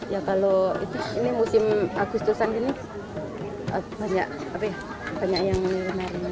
ya kalau ini musim agustusan ini banyak yang menari